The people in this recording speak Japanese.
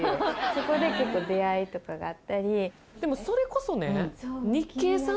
そこで結構出会いとかがあったりでもそれこそね